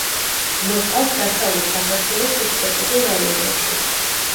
მოჰყავთ დასავლეთ საქართველოს სუბტროპიკულ რაიონებში.